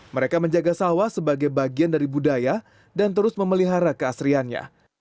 mereka menjaga sawah sebagai bagian dari budaya dan terus memelihara keasriannya